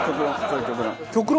極論。